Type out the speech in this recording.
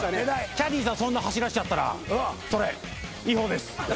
キャディーさんそんな走らせちゃったらそれ違法です。